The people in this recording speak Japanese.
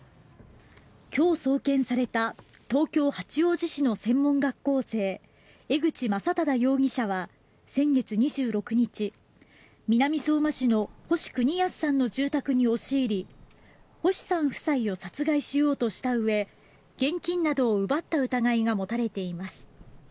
今日送検された東京・八王子市の専門学校生江口将匡容疑者は先月２６日南相馬市の星邦康さんの住宅に押し入り星さん夫妻を殺害しようとしたうえ現金などを奪った疑いが持たれています。